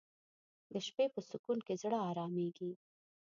د شپې په سکون کې زړه آرامیږي